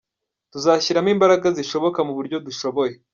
Tuzashyiramo imbaraga zishoboka mu buryo dushoboye.